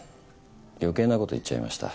余計なこと言っちゃいました。